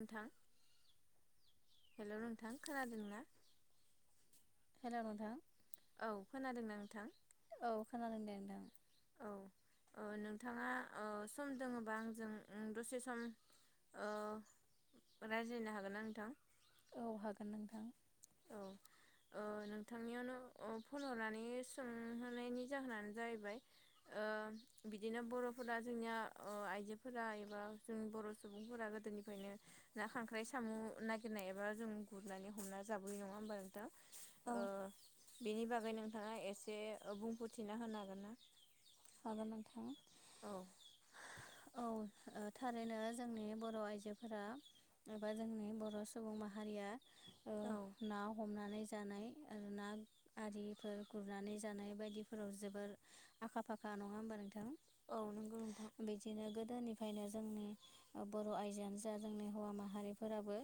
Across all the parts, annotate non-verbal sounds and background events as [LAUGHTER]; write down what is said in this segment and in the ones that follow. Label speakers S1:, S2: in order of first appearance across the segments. S1: नोंथां हेल' नोंथां खोनादोंना?
S2: हेलौ नोंथां।
S1: औ खोनादोंना नोंथां।
S2: औ खोनादों दे नोंथां।
S1: औ, ओ नोंथाङा सम दोङोबा आंजों उम दसे सम ओ रायज्लायनो हागोन ना नोंथां?
S2: औ हागोन नोंथां।
S1: औ। ओ नोंथांनियावनो फन हरनानै सोंहोनायनि जाहोनानो जाहैबाय। ओ ओ बिदिनो बर'फोरा जोंनिया, ओ आइजोफोरा एबा जोंनि बर' सुबुंफोरा गोदोनिफ्रा [UNINTELLIGIBLE] ना खांख्राइ साम' नागिरनाय एबा जों गुरनानै हमना जाबोयो। नङा होमबा नोंथां?
S2: औ
S1: ओ बेनि बागै नोंथाङा एसे ओबुंफोरथिना होनो हागोन ना?
S2: हागोन नोंथां
S1: औ
S2: औ ओ थारैनो जोंनि बर' आइजोफोरा एबा जोंनि बर' सुबुं माहारिया ओ ना हमनानै [UNINTELLIGIBLE] जानाय आरो ना आरिफोर गुरनानै जानाय बायदिफोराव जोबोर आखा -फाखा। [UNINTELLIGIBLE] नङा होमबा नोंथां?
S1: औ नोंगौ नोंथां।
S2: बिदिनो गोदोनिफ्रायनो जोंनि बर' आयजोआनो जा जोंनि हौवा माहारिफोराबो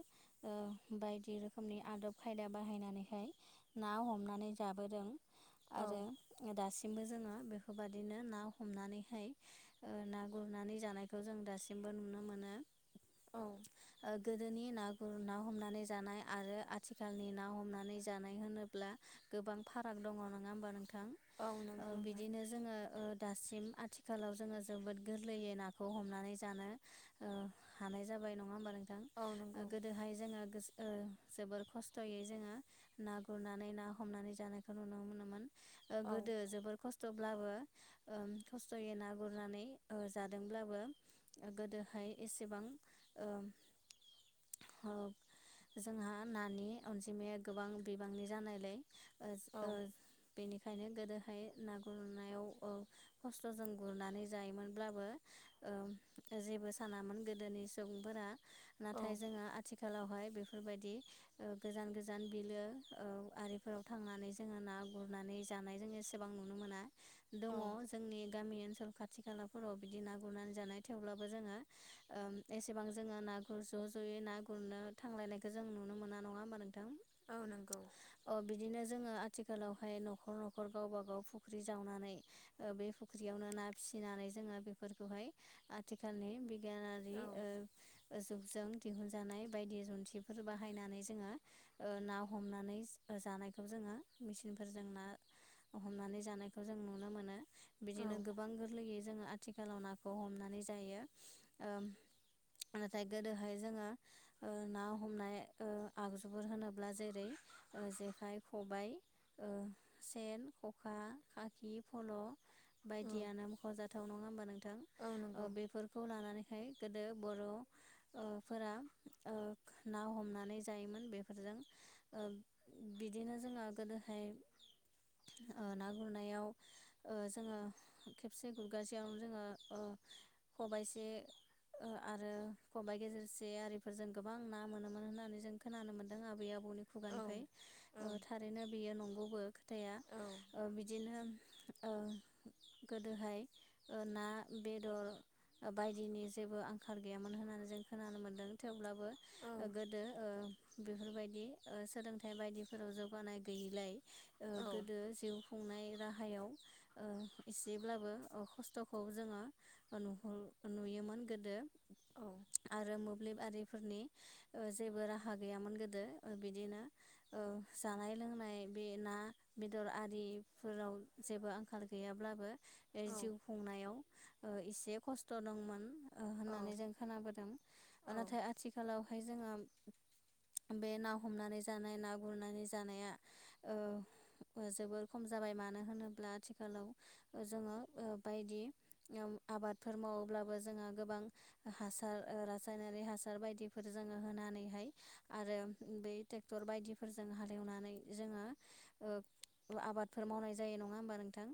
S2: ओ बायदि रोखोमनि आदब खायदा बाहायनानैहाय ना हमनानै जाबोदों।
S1: औ
S2: आरो दासिमबो जोङो बेफोरबादि बिदिनो ना हमनानैहाय। ओ ना गुरनानै जानायखौ जों दासिमबो नुनो मोनो।
S1: औ।
S2: ओ गोदोनि ना गुरना हमनानै जानाय आरो आथिखालनि ना हमनानै जानाय होनोब्ला गोबां फाराग दङ। नङा होमबा नोंथां?
S1: औ
S2: ओ
S1: नंगौ नोंथां
S2: बिदिनो जोङो ओ दासिम आथिखालाव, जोङो जोबोद गोरलैयै नाखौ हमनानै जानो ओ हानाय जाबाय नङा होमबा नोंथां?
S1: औ
S2: ओ
S1: नंगौ
S2: गोदोहाय जोङो ओ जोबोर खस्थ'यै जोङो ना गुरनानै, ना हमनानै जानायखौ नुनो मोनोमोन। ओ
S1: औ
S2: गोदो जोबोर खस्थ'ब्लाबो ओम खस्थ'यै ना गुरनानै ओ जादोंब्लाबो गोदोहाय एसेबां ओ ओ जोंहा नानि अनजिमाया गोबां बिबांनि जानायलाय ओज
S1: औ
S2: ओ बेनिखायनो गोदोहाय ना गुरनायाव ओ खस्थ'जों गुरनानै जायोमोनब्लाबो ओ जेबो सानामोन गोदोनि सुबुंफोरा
S1: औ
S2: नाथाय जोंङा आथि खालावहाय बेफोरबायदि ओ गोजान गोजान बिलो ओ आरिफोराव थांनानै जोंङो ना गुरनानै जानाय जों एसेबां नुनो मोना दंङ
S1: औ
S2: जोंनि गामि ओनसोल खाथि खालाफोराव बिदि ना गुरनानै जानाय थेवब्लाबो जोंङो ओ एसेबां जोंङो ना ना गुर ज' ज'यै ना गुरनो थांलायनायखौ जों नुनो मोना नंङा होमबा नों थां
S1: औ नंगौ
S2: अ बिदिनो ज जोंङो आथिखालावहाय न'खर न'खर गावबा गाव फुख्रि जावनानै ओ बे फुख्रियावनो ना फिसिनानै जोंङो बेफोरखौहाय आथिखालनि बि गानारि
S1: औ
S2: ओ जुगजों दिहुनजानाय बायदि जुन्थिफोर बाहायनानै जोंङो ओ ना हमनानै जानायखौ जोंङो मेचिनफोरजों ना हमनानै जानायखौ जों नु नो मोनो
S1: औ
S2: बिदिनो गोबां गोरलै जोंङो आथिखालाव नाखौ हमनानै जायो ओ नाथाय गोदोहाय जोंङो ओ ना हमनाय ओ आगजुफोर होनोब्ला जेरै ओ जेखाइ खबाइ ओ सेन खखा खाखि फल'
S1: औ
S2: बायदियानो मख'जाथाव नंङा होमबा नोंथां
S1: औ नंगौ
S2: ओ बेफोरखौ लानानैहाय गोदो बर' फोर ओ ना हमनानै जायोमोन बेफोरजों ओब बिदिनो जोंङो गोदोहाय ओ ना गुरनायाव जोंङो खेबसे गुरगासेयावनो जोंङो खबाइसे ओ आरो खबाइ गेजेरसे आरिफोरजों गोबां ना मोनोमोन होननानै जों खोनानो मोन्दों आबै आबौ
S1: औ
S2: खुगानिफ्राय
S1: औ
S2: ओ थारैनो बेयो नंगौबो खोथाया
S1: औ
S2: ओ बिदिनो ओ गोदोहाय ओ ना, बेदर बायदिनि जेबो आंखाल गैयामोन होननानै जों खोनानो मोन्दों थेवब्लाबो गोदो ओ बेफोरबायदि ओ सोलोंथाइ बायदिफोराव जौगानाय गैयिलाय ओ
S1: औ औ
S2: गोदो जिउ खुंनाय राहा ओ एसेब्लाबो अ खस्थ'खौ जोंङो ओ नुहर नुयोमोन गोदो आरो मो ब्लिब आरिफोरनि ओ जेबो राहा गैयामोन गोदो बिदिनो ओ जानाय लोंनाय बे ना बेदर आरिफोराव जेबो आंखाल गैयाब्लाबो बे जिउ खुंनायाव ओ एसे खस्थ' दंमोन होननानै जों खोनाबोदों नाथाय आथिखालावहाय जोंङो बे ना हमनानै जानाय ना गुरनानै जानाया ओ ओ जोबोर खम जाबाय मानो हो ब्ला आथिखालाव जोंङो ओ बायदि आबादफोर मावोब्लाबो जों गो बां हासार ओ रासायनारि हासार बायदिफोर जोंङो होनानैहाय आरो ट्रेक्टर बायदिफोरजों हालेवनानै जोंङो ओ आबादफोर मावनाय जायो नंङा होम बा नोंथां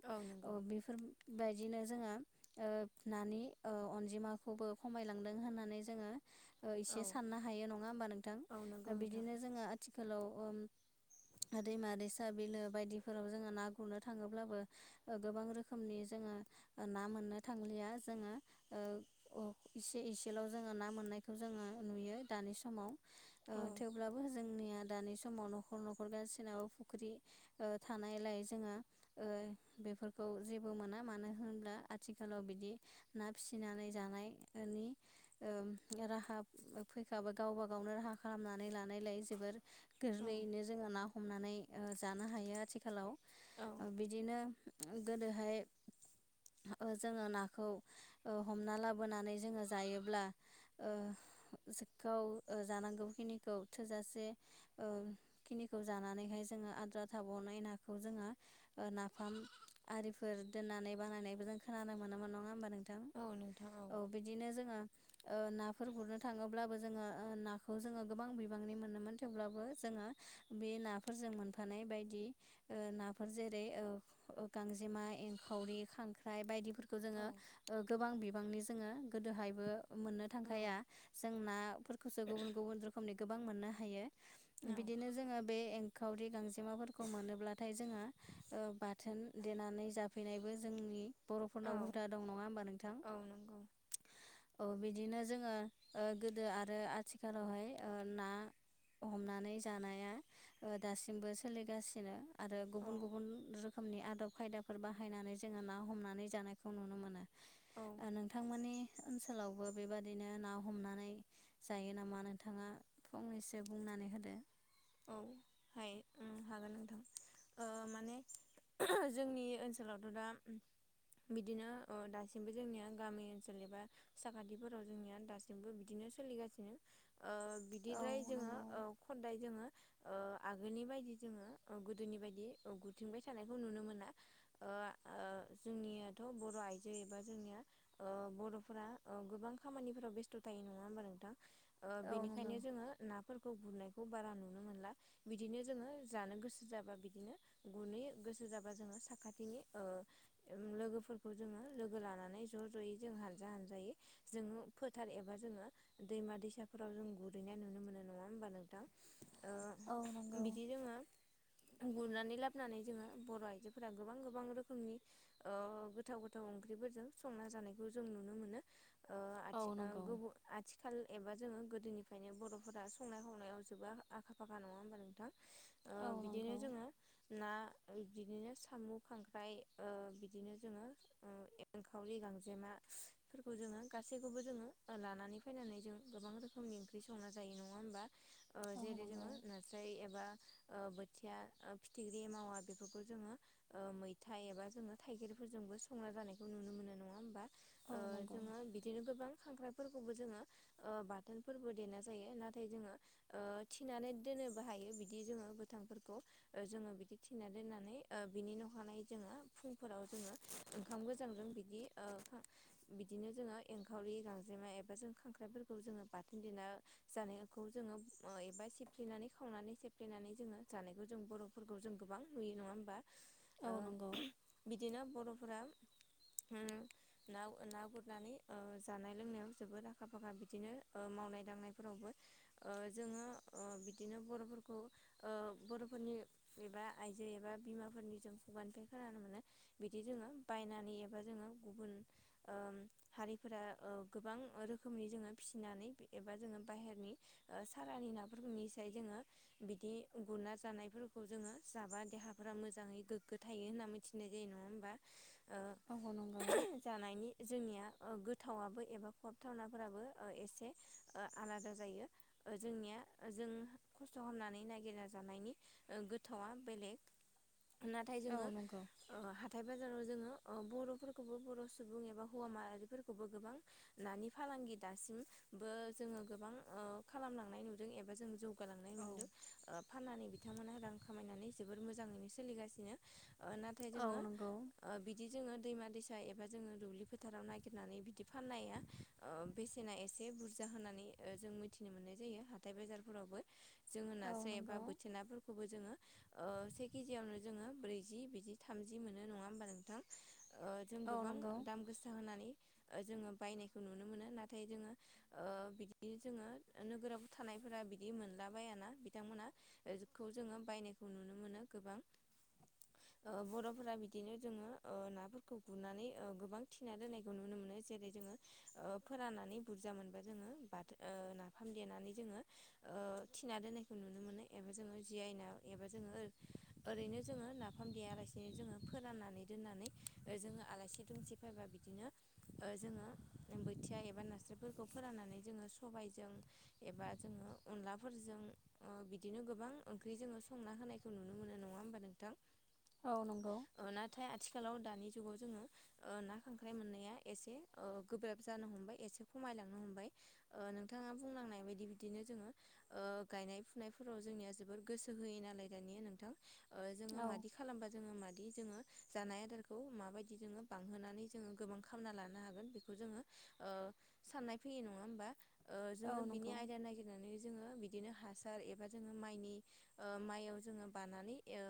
S2: ओ
S1: नंगौ
S2: बेफोरबायायदिनो जोंहा ओ नानि ओ अनजिमाखौबो खमायलांदों होननानै जोंङो ओ
S1: औ
S2: एसे साननो हायो नंङा होमबा नोंथां
S1: औ नंगौ नोंथां
S2: बिदिनो जोंङो आथिखालाव ओम दैमा दैसा बिलो बायदिफोराव जोंङो ना गुरनो थांङोब अब्लाबो ओ गोबां रोखोमनि जोंङो ना मोननो थांलिया जोंङो ओ इसे इसेल' जोंङो ना मोननायखौ जोंङो नुयो दानि समाव। ओ
S1: औ
S2: थेवब्लाबो जोंनिया दानि समाव न'खर न'खर गासिनावबो फुख्रि थानायलाय जोंङो
S1: [INAUDIBLE]
S2: बेफोरखौ जेबो मोना मानो होनब्ला आथिखालाव बिदि ना फिसिनानै जानायनि दि ओ राहा फैखाबा गावबा गावनो राहा खालामनानै लानायलाय जोबोर
S1: औ
S2: गोरलैयैनो जोंङो ना हमनानै जानो हायो आथिखालाव।
S1: औ
S2: बिदिनो गोदोहाय ओ जोंङो नाखौ ओ हमना लाबोनानै जोंङो जायोब्ला सेखौ जानांगौखिनिखौ थोजासे ओ खिनिखौ जानानैहाय जोंङो आद्रा थाबावनाय नाखौ जोंङो ओ नाफाम आरिफोर दोननानै बानायनायबो जों खोनानो मोनोमोन नंङा होमबा नों नोंथां औ बिदिनो जोंङो ओ नाफोर गुरनो थांङोब्लाबो जोंङो नाखौ जोंङो गोबां बिबांनि मोनोमोन थेवब्लाबो जों ङो बे नाफोरजों मोनफानाय बायदि ओनाफोर जे बे ओ ओ गांजेमा एंखावरि खांख्राय बायदिफोरखौ
S1: औ
S2: जोंङो गोबां गोबांनि जोंङो गोदोहायबो मोननो थांखाया जों नाफोरखौसो गुब गुबुन रोखोमनि गोबां मोननो हायो बिदिनो जोंङो बे एंखावरि गांजेमाफोरखौ मोनोब्लाथाय जोंङो ओ बाथोन देनानै जाफैनायबो जोंनि
S1: औ
S2: बर'फोरनाव हुदा दं नंङा होमबा नोंथां
S1: औ नंगौ
S2: बि दिनो जोंङो ओ गोदो आरो आथिखालावहाय ना हमनानै जानाया ओ दासिमबो सोलिगासिनो आरो।
S1: औ
S2: गुबुन गुबुन रोखोमनि आदब खायदाफोर बाहायनानै जोंङो ना हमनानै जानायखौ नुनो मोनो।
S1: औ
S2: ओ नोंथांमोननि ओनसोलावबो बेबादिनो ना हमनानै जायो नामा नोंथाङा फंनैसो बुंनानै होदो।
S1: औ हायो। उम हागोन नोंथां माने जोंनि ओनसोलावथ' दा बिदिनो ओदासिमबो जोंनिया गामि ओनसोल एबा साखाथिफोराव जोंनिया दासिमबो बिदिनो बिदिनो सोलिगासिनो ओ
S2: औ
S1: बिदिद्राय
S2: नंगौ
S1: जोंङो खदाय आगोलनि बायदि जोङो गोदोनि बायदि गुथिंबाय थानायखौ नुनो मोना। जोंनियाथ' बर' आइजो एबा जोंनिया ओ बर'फोरा ओ गोबां खामानिफोराव बेस्थ' थायो नंङा होमबा नोंथां ओ
S2: औ
S1: बेनिखायनो
S2: नंगौ
S1: जोंङो नाफोरखौ गुरनायखौ बारा नुनो मोना। मोनला बिदिनो‌ जोंङो जानो गोसो जाबा बिदिनो गुरहैयो गोसो जाबा जोंङो साखाथि थि ओ लोगोफोरखौ जोंङो लोगो लानानै ज' ज'यै जों हानजा हानजायै जों ओ फोथार एबा जोङो दैमा दैसाफोराव जों गुरैनाय नुनो मोनो नंङा होमबा नोंथां? ओ
S2: औ नंगौ।
S1: बिदि [INAUDIBLE] गुरनानै लाबोनानै जोंङो बर' आइजोफोरा गोबां गोबां रोखोमनि ओ गोथाव गोथाव ओंख्रि फोरजों संना जानायखौ जों नुनो मोनो ओ
S2: औ
S1: आथि ओ
S2: नंगौ
S1: गुबून आथिखाल एबा जोंङो गोदोनिफ्रायनो बर'फोरा संनाय खावनायाव जोबो आखा फाखा नंङा होमबा नोंथां? ओ
S2: औ
S1: बिदिनो
S2: नंगौ
S1: जोंङो ना बिदिनो साम', खांख्राइ ओ बिदिनो जोंङो ओ एनखावरि गांजेमा फोरखौ जोंङो गासैखौबो जोंङो लानानै फैनानै जों गोबां रोखोमनि ओंख्रि संना जायो नंङा होमबा? ओ
S2: औ
S1: जेरै
S2: नंगौ
S1: जोंङो नास्राय एबा ओ बोथिया ओ फिथिख्रि मावा बेफोरखौ जोंङो ओ मैथा एबा जोंङो थाइगेरफोरजोंबो संना जानायखौ नुनो मोनो नंङा होमबा?
S2: औ
S1: ओ
S2: नंगौ
S1: जोंङो बिदिनो गोबां खांख्राय फोरखौबो जोंङो ओ बाथोन फोरबो देना जायो नाथाय जोंङो थिनानै दोननोबो हायो बिदि जोंङो गोथांफोरखौ ओ जोंङो बिदि थिनानै दोननानै ओ बिनि न'खर खानाय जोङो फुंफोराव जोङो ओंखाम गोजांजों बिदि बिदिनो जोङो एंखावरि गांजेमा एबा जों खांख्राइफोरखौ जोङो बाथोन देना जानायखौ जोङो ओ ए ओमफफ्राय सेबफ्लेनानै खावनानै सेबफ्लेनानै जोङो जानायखौ जों बर'फोरखौ जों गोबां नुयो नङा होमबा।
S2: औ
S1: ओ
S2: नंगौ
S1: बिदिनो बर'फोरा ओ ना गुरनानै ओ जानाय लोंनायाव जोबोद आखा फाखा बिदिनो ओ माव मावनाय दांनायफोरावबो ओ जोङो ओ बिदिनो बर'फोरखौ ओ बर'फोरनि एबा आइजो एबा बिमाफोरनि जों खुगानिफ्राय खोनानो मोनो बिदि जोङो बायनानै एबा जोङो गुबुन ओ हारिफोर जा ओ गोबां रोखोमनि जोङो फिसिनानै एबा जोङो बाहेरनि ओ सालानि ना फोरनिसाय जोङो बिदि गुरना जानायफोरखौ जोङो जाबा देहाफोरा मोजाङै गोगो गोथायो होनना मिथिनाय जायो नङा होमबा ओ
S2: औ नंगौ
S1: जानायनि जोंनिया ओ गोथावाबबो एबा खहाबथावनाफोराबो एसे आलादा जायो ओ जोंनिया जों खस्थ' खालामनानै नागिरना जानायनि ओ गोथावआ बेलेग। नाथाय
S2: औ
S1: जोङो
S2: नंगौ
S1: ओ हाथाय बाजाराव जोङो बर'फोरखौबो बर' सुबुं एबा हौवा माहारिफोरखौबो गोबां नानि फालांगि दासिम बो जोङो गोबां ओ खालामलांनाय नुयो। दों ऐसा जों जौगा लांनाय
S2: औ
S1: नुदों ओ फानानै बिथांमोना रां खामायनानै जबोर मोजाङैनो सोलिगासिनो। ओ नाथाय
S2: औ
S1: जोङो
S2: नंगौ
S1: ओ बिदि जोङो दैमा-दैसा एबा जोङो दुब्लि फोथाराव ननायागिरनानै बिदि फाननाया बेसेना एसे बुरजा होननानै ओ जों मिथिनो मोननाय जायो। हाथाइ बाजारफोरावबो जोङो
S2: औ
S1: नास्राय एबा
S2: नंगौ
S1: बोथिया नाफोरखौबो जोङो ओ से केजियावनो जोङो ब्रैजि बिदि थामजि मोनो नङा होमबा नोंथां। ओ जों
S2: औ
S1: गोबां
S2: नंगौ
S1: दाम गोसा होनानै ओ जोङो बायनायखौ नुनो मोनो नाथाय जोङो ओ बिदि जोङो नोगोराव थानायफोरा बिदि मोनलाबायाना बिथांमोना ओ खौ जोङो बायनायखौ नुनो मोनो गोबां। ओ बर'फोरा बिदिनो जोङो ओ नाफोरखौ गुरनानै गोबां थिना दोनायखौ नुनो मोनो। जेरै जोङो ओ फोरनानै बुरजा मोनबा बाथो ओ नाफाम देना नै जोङो ओ थिनादोनायखौ नुनो मोनो एबा जोङो जियायना ऐसा जोङो ओरैनो बिदिनो जोङो नाफाम देया आलासिनो जोङो फोराननानै दोननानै जोङो आलासि दुमसि फैबा बिदिनो ओ जोङो बोथिया एबा नास्रफोरखौ फोराननानै जोङो सबायजों एबा जोङो अनलाफोरजों ओ बिदिनो गोबां ओंख्रि जोङो संना होनायखौ नुनो मोनो नङा। होमबा नोंथां।
S2: औ नंगौ।
S1: ओ नाथाय आथिखालाव दानि जुगाव जोङो ओ ना खांख्राइ मोननाया एसे गोब्राब जानो हमबाय एसे खमाय लांनो हमबाय ओ नोंथाङा बुलांनाय बायदि। बिदि बिदिनो जोङो ओ गायनाय फुनायफोराव जोंनिया जोबोर गोसो होय नालाय दानिया नोंथां। ओ जोङो
S2: औ
S1: मादि खालामबा जोङो मादि बिदि जोङो जानाय आदारखौ माबायदि जोङो बांहोनानै जोङो गोबां खामना लानो हागोन बेखौ जोङो ओ साननाय फैयो नङा होमबा
S2: औ
S1: जोङो बिनि
S2: नंगौ
S1: आय जोङो बिदिनो हासार एबा जोङो माइनि ओ माइयाव जोङो बानानै ओ‌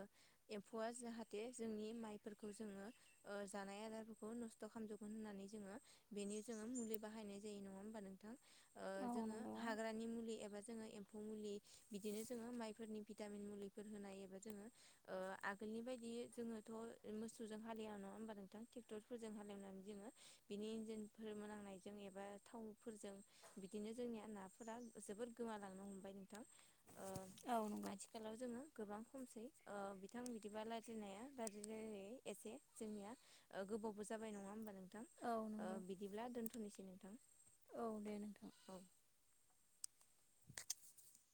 S1: एमफै जाहाथे जोंनि माइफोरखौ जोङो ओ जानाय आदारफोरखौ नस्थ' खालामजोबगोन होननानै जोङो बेनि जोङो मुलि बाहायनाय जायो नङा हबा नोंथां ओ
S2: औ
S1: जोङो
S2: नंगौ
S1: हाग्रानि मुलि एबा जोङो एम्फौ मुलि बिदिनो जोङो माइफोरनि भिटामिन मुलिफोर होनाय एबा जोङो ओ आगोलनि बायदि जोङोथ' मोसौजों हालेव नङा होनोमबा नोंथां ट्रेक्टरफोरजों हालेवनानै जोङो बिनि इन्जिनफोर मोनांनायजों एबा थावफोरजों बिदिनो जोंनिया ना फोर जोबोर गोमालांनो हमबाय नोंथां
S2: औ नंगौ
S1: आथिखालाव जोङो गोबां खमसै ओ बिथां बिदिबा रायज्लायनाया रायजायै एसे जोंनिया गोबावबो जाबाय नङा होमबा नोंथां
S2: औ नंगौ
S1: बिदिब्ला दोन्थ'नोसै नो
S2: औ दे नोंथां।